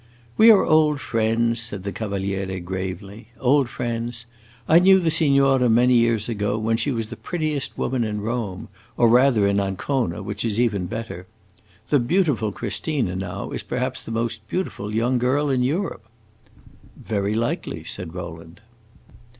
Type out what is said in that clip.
"We are old friends," said the Cavaliere, gravely. "Old friends. I knew the signora many years ago, when she was the prettiest woman in Rome or rather in Ancona, which is even better. The beautiful Christina, now, is perhaps the most beautiful young girl in Europe!" "Very likely," said Rowland.